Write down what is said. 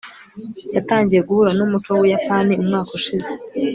yatangiye guhura numuco wubuyapani umwaka ushize